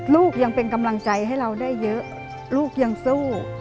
ลูกยังเป็นกำลังใจให้เราได้เยอะลูกยังสู้